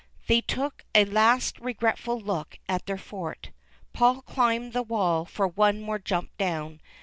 They took a last regretful look at their fort. Paul climbed the wall for one inore jump down.